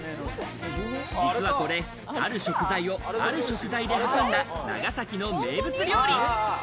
実はこれ、ある食材を、ある食材で挟んだ長崎の名物料理。